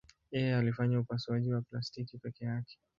Yeye alifanya upasuaji wa plastiki peke yake.